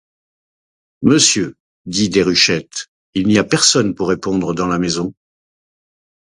Monsieur, dit Déruchette, il n’y a personne pour répondre dans la maison.